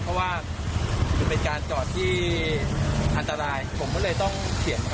แต่จะทำให้เกิดความเสียหาย